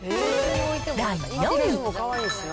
第４位。